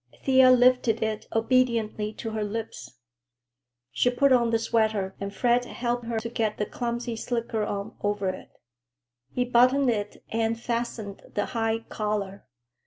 Thea lifted it obediently to her lips. She put on the sweater and Fred helped her to get the clumsy slicker on over it. He buttoned it and fastened the high collar.